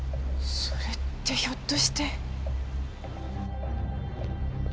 それってひょっとして。